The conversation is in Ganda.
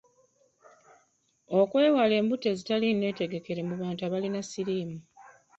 Okwewala embuto ezitali nneetegekere mu bantu abalina siriimu.